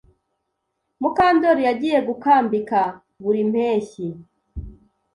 Mukandori yagiye gukambika buri mpeshyi.